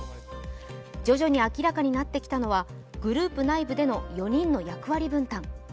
徐々に明らかになってきたのはグループ内部での４人の役割分担。